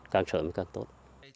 càng sớm càng tốt